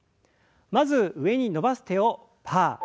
まず上に伸ばす手をパー。